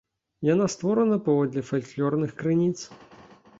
Яна створана паводле фальклорных крыніц.